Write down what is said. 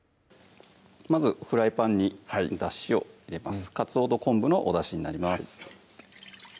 まずフライパンにだしを入れますかつおと昆布のおだしになります